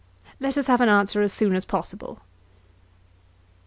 Let us have an answer as soon as possible.